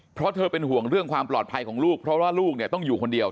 เพราะเธอเป็นห่วงเรื่องความปลอดภัยของลูกเพราะว่าลูกเนี่ยต้องอยู่คนเดียว